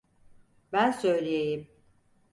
Ben söyleyeyim.